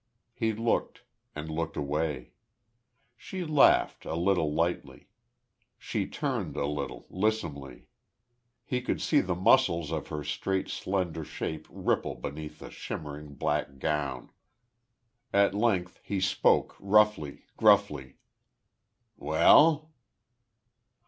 He looked; and looked away. She laughed, a little, lightly. She turned a little, lissomely. He could see the muscles of her straight, slender shape ripple beneath the shimmering black gown. At length he spoke, roughly, gruffly: "Well?"